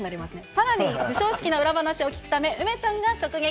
さらに授賞式の裏話を聞くため、梅ちゃんが直撃。